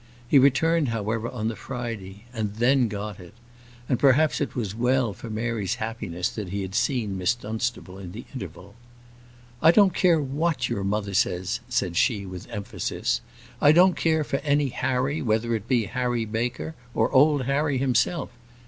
He returned, however, on the Friday, and then got it; and perhaps it was well for Mary's happiness that he had seen Miss Dunstable in the interval. "I don't care what your mother says," said she, with emphasis. "I don't care for any Harry, whether it be Harry Baker, or old Harry himself.